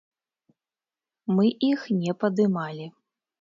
Мы іх не падымалі.